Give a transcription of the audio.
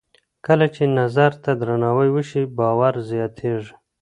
کله چې نظر ته درناوی وشي، باور زیاتېږي.